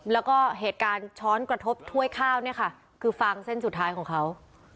แล้วก็เหตุการณ์ช้อนกระทบถ้วยข้าวเนี่ยค่ะคือฟางเส้นสุดท้ายของเขา